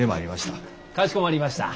かしこまりました。